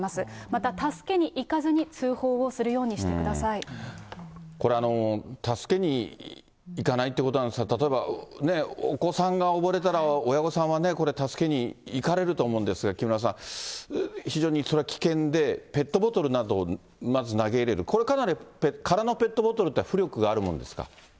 また助けに行かずに、通報をするこれ、助けに行かないっていうことなんですが、例えばお子さんが溺れたら、親御さんはこれ、助けに行かれると思うんですが、木村さん、非常にそれは危険で、ペットボトルなどをまず投げ入れる、これ、かなり空のペットボトルというのは浮力があるもんですか。